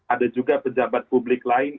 ada juga pejabat publik lain